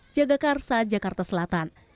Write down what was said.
jagakarsa jakarta selatan